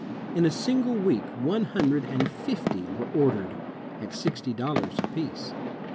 In a single week one hundred and fifty were ordered, at sixty dollars apiece.